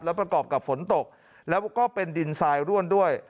ประกอบกับฝนตกแล้วก็เป็นดินทรายร่วนด้วย